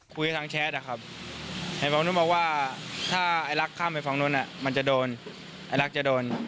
คุยทั้งแชทอ่ะครับเห็นฟังนู้นบอกว่าถ้าไอลักษณ์ข้ามไปฟังนู้นอ่ะมันจะโดนไอลักษณ์จะโดน